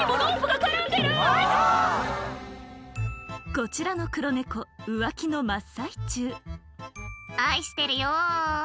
こちらの黒猫浮気の真っ最中「愛してるよ」